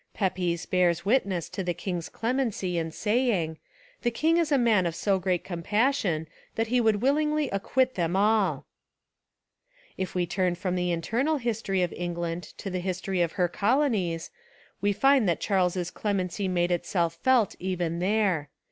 Pepys bears witness to the king's clemency in saying, — "The king is a man of so great compassion that he would willingly acquit 289 Essays and Literary Studies them all." If we turn from the Internal history of England to the history of her colonies, we find that Charles's clemency made Itself felt even there.